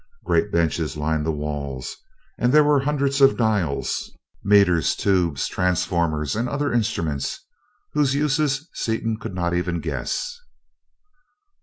Great benches lined the walls, and there were hundreds of dials, meters, tubes, transformers and other instruments, whose uses Seaton could not even guess.